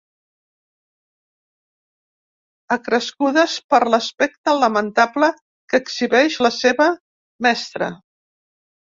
Acrescudes per l'aspecte lamentable que exhibeix la seva mestra.